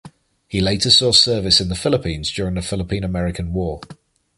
He later saw service in the Philippines during the Philippine–American War.